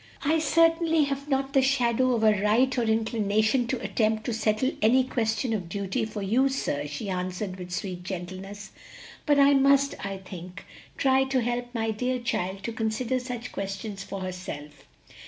"I certainly have not the shadow of a right or inclination to attempt to settle any question of duty for you, sir," she answered with sweet gentleness, "but I must, I think, try to help my dear child to consider such questions for herself.